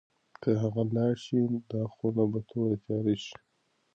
که هغه لاړه شي، دا خونه به توره تیاره شي.